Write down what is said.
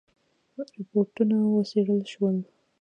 رپوټونه وڅېړل شول.